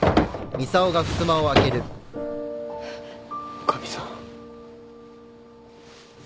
女将さん